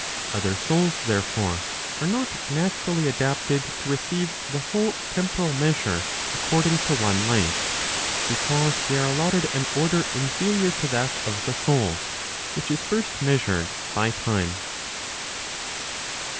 Other souls, therefore, are not naturally adapted to receive the whole temporal measure according to one life, because they are allotted an order inferior to that of the soul which is first measured by time.